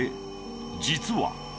実は］